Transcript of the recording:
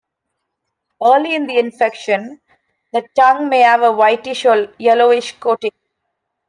Early in the infection, the tongue may have a whitish or yellowish coating.